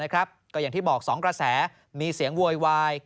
ก็อย่างที่บอก๒กระแสมีเสียงโวยวาย